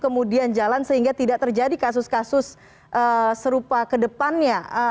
kemudian jalan sehingga tidak terjadi kasus kasus serupa kedepannya